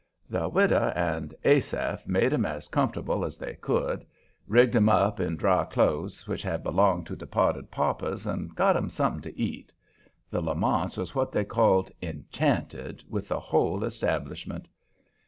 The widow and Asaph made 'em as comfortable as they could; rigged 'em up in dry clothes which had belonged to departed paupers, and got 'em something to eat. The Lamonts was what they called "enchanted" with the whole establishment.